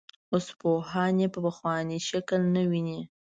اوس پوهان یې په پخواني شکل نه ویني.